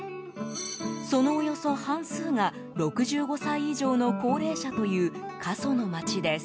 そのおよそ半数が６５歳以上の高齢者という過疎の町です。